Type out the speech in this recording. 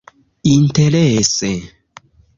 Interese